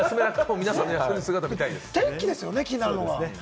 天気ですよね、気になるのは。